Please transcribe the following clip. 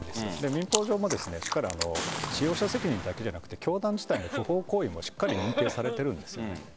民法上も使用者責任だけじゃなく教団自体の不法行為もしっかり認定されているんです。